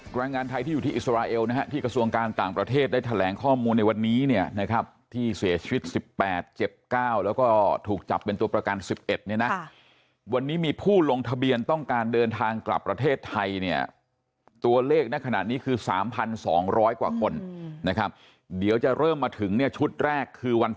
การงานไทยที่อยู่ที่อิสราเอลนะฮะที่กระทรวงการต่างประเทศได้แถลงข้อมูลในวันนี้เนี่ยนะครับที่เสียชีวิตสิบแปดเจ็บเก้าแล้วก็ถูกจับเป็นตัวประการสิบเอ็ดเนี่ยนะค่ะวันนี้มีผู้ลงทะเบียนต้องการเดินทางกลับประเทศไทยเนี่ยตัวเลขน่ะขนาดนี้คือสามพันสองร้อยกว่าคนนะครับเดี๋ยวจะเริ่มมาถึงเ